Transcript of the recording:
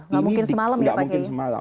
gak mungkin semalam ya pak kaya